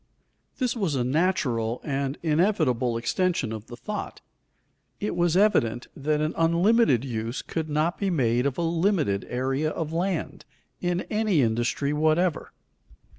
_ This was a natural and inevitable extension of the thought. It was evident that an unlimited use could not be made of a limited area of land, in any industry whatever.